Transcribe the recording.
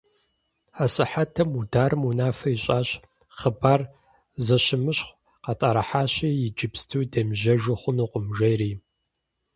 А сыхьэтым Мударым унафэ ищӀащ: «Хъыбар зэщымыщхъу къытӀэрыхьащи, иджыпсту демыжьэжу хъунукъым», – жери.